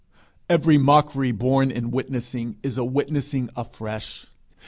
Every mockery borne in witnessing, is a witnessing afresh.